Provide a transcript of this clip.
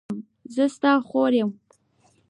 زه ستا خور یم.